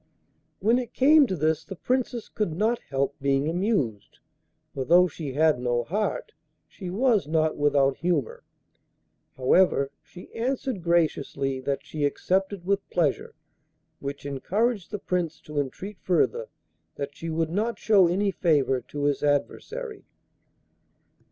When it came to this the Princess could not help being amused, for, though she had no heart, she was not without humour. However, she answered graciously that she accepted with pleasure, which encouraged the Prince to entreat further that she would not show any favour to his adversary.